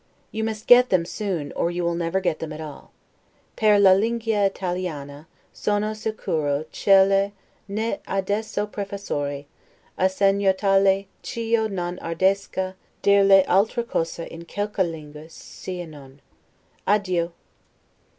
You must get them soon, or you will never get them at all. 'Per la lingua Italiana, sono sicuro ch'ella n'e adesso professore, a segno tale ch'io non ardisca dirle altra cosa in quela lingua se non. Addio'.